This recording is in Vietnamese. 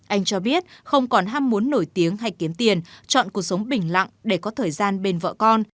anh cho biết không còn ham muốn nổi tiếng hay kiếm tiền chọn cuộc sống bình lặng để có thời gian bên vợ con